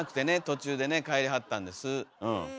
途中でね帰りはったんですうん。